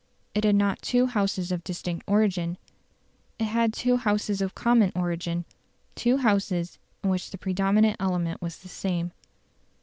It had not two Houses of distinct origin; it had two Houses of common origin two Houses in which the predominant element was the same.